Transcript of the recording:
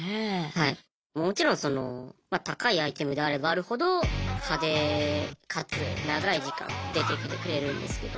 もちろんその高いアイテムであればあるほど派手かつ長い時間出てきてくれるんですけど。